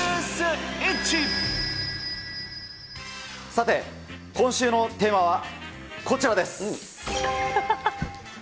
さて、今週のテーマはこちらです。